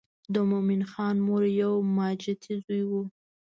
د مومن خان مور یو ماجتي زوی و.